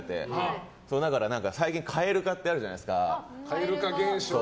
最近蛙化ってあるじゃないですか。